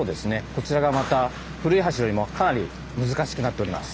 こちらがまた古い橋よりもかなり難しくなっております。